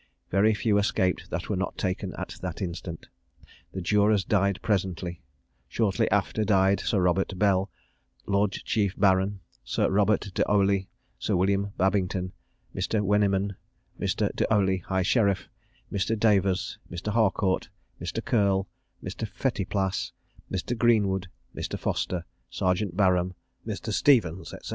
Very few escaped that were not taken at that instant. The jurors died presently; shortly after died Sir Robert Bell, Lord Chief Baron, Sir Robert De Olie, Sir Wm. Babington, Mr. Weneman, Mr. De Olie, high sheriff, Mr. Davers, Mr. Harcourt, Mr. Kirle, Mr. Pheteplace, Mr. Greenwood, Mr. Foster, Sergeant Baram, Mr. Stevens, &c.